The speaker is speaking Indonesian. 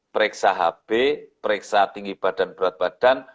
periksa hb periksa tinggi badan berat badan